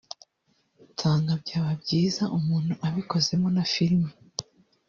nsanga byaba byiza umuntu abikozemo na filimi